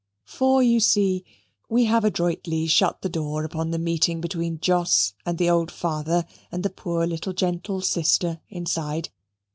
For, you see, we have adroitly shut the door upon the meeting between Jos and the old father and the poor little gentle sister inside.